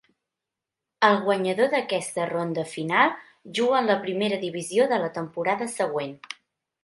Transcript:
El guanyador d'aquesta ronda final juga en la Primera Divisió de la temporada següent.